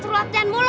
suruh latihan mulu